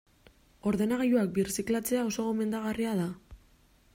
Ordenagailuak birziklatzea oso gomendagarria da.